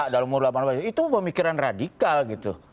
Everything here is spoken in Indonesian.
dan umur delapan belas itu pemikiran radikal gitu